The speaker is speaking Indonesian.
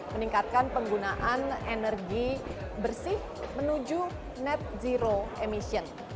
meningkatkan penggunaan energi bersih menuju net zero emission